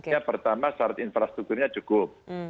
yang pertama syarat infrastrukturnya cukup